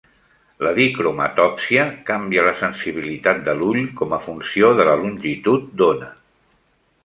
La dicromatòpsia canvia la sensibilitat de l'ull com a funció de la longitud d'ona.